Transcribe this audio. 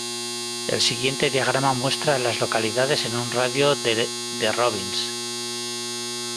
El siguiente diagrama muestra a las localidades en un radio de de Robbins.